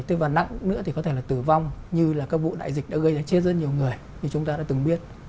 thế và nặng nữa thì có thể là tử vong như là các vụ đại dịch đã gây ra chết rất nhiều người như chúng ta đã từng biết